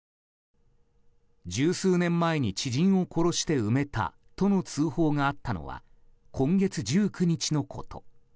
十数年前に知人を殺して埋めたとの通報があったのは今月１９日のこと。